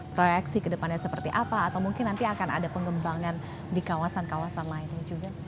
proyeksi ke depannya seperti apa atau mungkin nanti akan ada pengembangan di kawasan kawasan lainnya juga